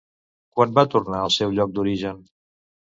Quan va tornar al seu lloc d'origen?